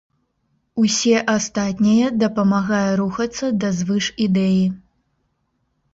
Усе астатняе дапамагае рухацца да звышідэі.